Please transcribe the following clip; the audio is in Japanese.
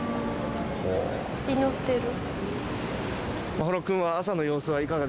祈ってる。